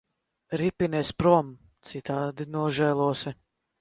Ripinies prom, citādi nožēlosi.